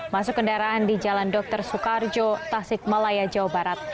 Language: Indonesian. masuk kendaraan di jalan dr soekarjo tasik malaya jawa barat